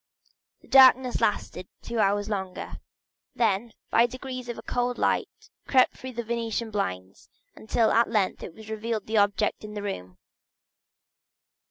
The darkness lasted two hours longer; then by degrees a cold light crept through the Venetian blinds, until at length it revealed the objects in the room.